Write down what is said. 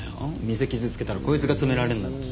店傷つけたらこいつが詰められんだから。